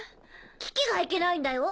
キキがいけないんだよ。